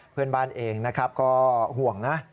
เพื่อนบ้านเองก็ห่วงนะ